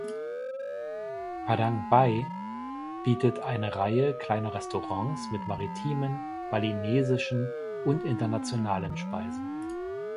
Padang Bai bietet eine Reihe kleiner Restaurants mit maritimen, balinesischen und internationalen Speisen.